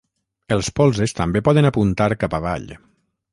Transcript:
Els polzes també poden apuntar cap avall.